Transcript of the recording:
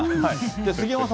杉山さん